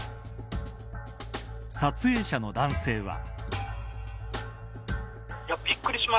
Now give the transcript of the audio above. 撮影者の男性は。